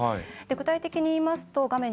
具体的に言いますと画面